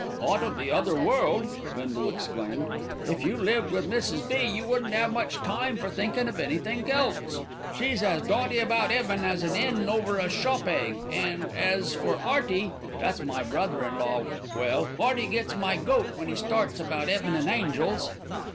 "Thought of the other world!" Bindle exclaimed. "If you lived with Mrs. B., you wouldn't 'ave much time for thinkin' of anythink else. She's as dotty about 'eaven as an 'en over a 'shop egg,' an' as for 'Earty, that's my brother in law, well, 'Earty gets my goat when 'e starts about 'eaven an' angels."